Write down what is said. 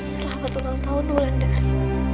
selamat ulang tahun mulan dari